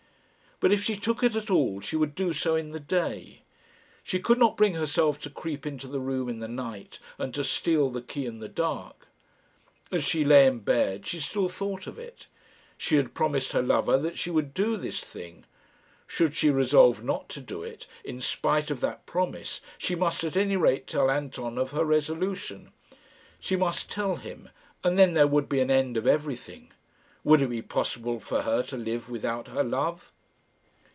But if she took it at all, she would do so in the day. She could not bring herself to creep into the room in the night, and to steal the key in the dark. As she lay in bed she still thought of it. She had promised her lover that she would do this thing. Should she resolve not to do it, in spite of that promise, she must at any rate tell Anton of her resolution. She must tell him, and then there would be an end of everything. Would it be possible for her to live without her love?